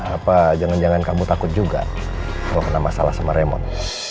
apa jangan jangan kamu takut juga kalau kena masalah sama remote